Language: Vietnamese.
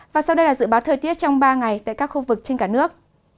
và sau đây là dự báo thời tiết trong ba ngày tại các khu vực trên cả nước